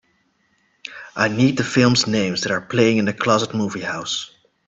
I need the films names that are playing in the closest movie house